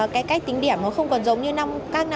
cái cách tính điểm nó không còn giống như năm